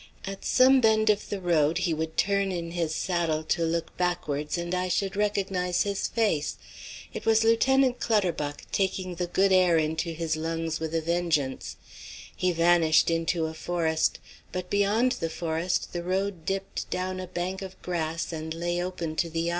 At some bend of the road he would turn in his saddle to look backwards, and I should recognise his face. It was Lieutenant Clutterbuck, taking the good air into his lungs with a vengeance. He vanished into a forest, but beyond the forest the road dipped down a bank of grass and lay open to the eye.